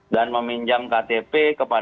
dan meminjam ktp